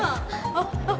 あっ